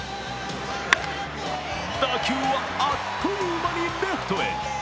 打球はあっという間にレフトへ。